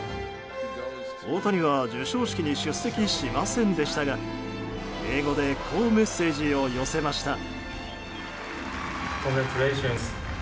大谷は授賞式に出席しませんでしたが英語でこうメッセージを寄せました。